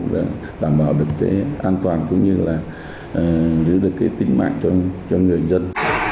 để tảm bảo được cái an toàn cũng như là giữ được cái tính mạng cho người dân